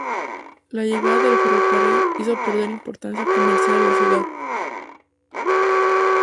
La llegada del ferrocarril hizo perder importancia comercial a la ciudad.